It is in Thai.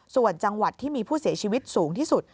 ส่วนจังหวัดที่มีผู้เสียชีวิตสูงที่สุด